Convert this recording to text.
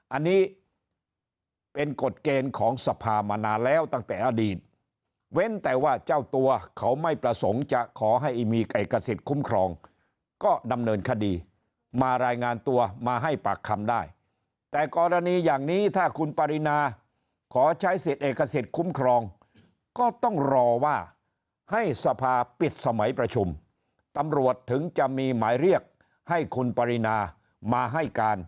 อันนี้เป็นกฎเกณฑ์ของสภามานานแล้วตั้งแต่อดีตเว้นแต่ว่าเจ้าตัวเขาไม่ประสงค์จะขอให้มีเอกสิทธิ์คุ้มครองก็ดำเนินคดีมารายงานตัวมาให้ปากคำได้แต่กรณีอย่างนี้ถ้าคุณปรินาขอใช้สิทธิ์เอกสิทธิ์คุ้มครองก็ต้องรอว่าให้สภาปิดสมัยประชุมตำรวจถึงจะมีหมายเรียกให้คุณปรินามาให้การ